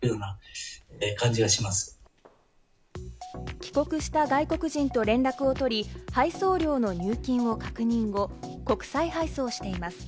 帰国した外国人と連絡を取り、配送料の入金を確認後、国際配送しています。